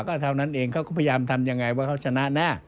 ก็เท่านั้นเองเขาก็พยายามทำยังไงว่าเขาชนะแน่